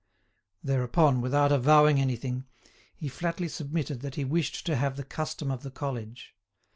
Thereupon, without avowing anything, he flatly submitted that he wished to have the custom of the college.